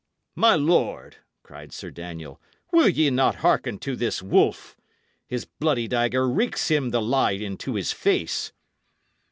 "My lord," cried Sir Daniel, "ye will not hearken to this wolf? His bloody dagger reeks him the lie into his face."